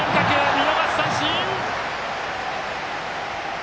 見逃し三振！